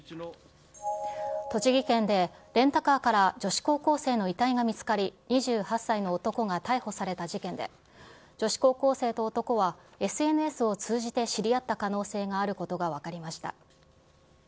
栃木県で、レンタカーから女子高校生の遺体が見つかり２８歳の男が逮捕された事件で、女子高校生と男はＳＮＳを通じて知り合った可能性があることが分かりました。